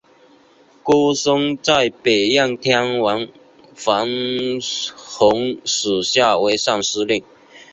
郭生在北燕天王冯弘属下为尚书令。